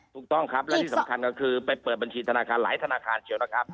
ถูกต้องครับและที่สำคัญก็คือไปเปิดบัญชีธนาคารหลายธนาคารเชียวนะครับ